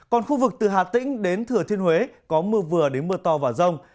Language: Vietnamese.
còn khu vực từ hà tĩnh đến thừa thiên huế có mưa vừa đến mưa to và rông